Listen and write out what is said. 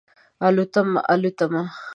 الوتمه، الوتمه